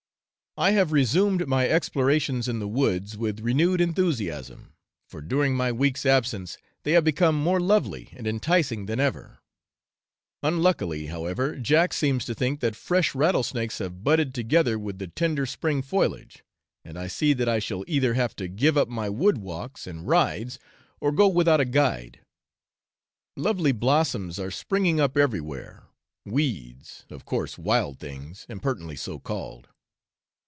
I have resumed my explorations in the woods with renewed enthusiasm, for during my week's absence they have become more lovely and enticing than ever: unluckily, however, Jack seems to think that fresh rattlesnakes have budded together with the tender spring foliage, and I see that I shall either have to give up my wood walks and rides, or go without a guide. Lovely blossoms are springing up everywhere, weeds, of course, wild things, impertinently so called.